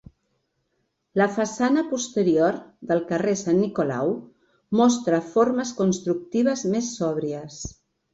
La façana posterior, del carrer Sant Nicolau, mostra formes constructives més sòbries.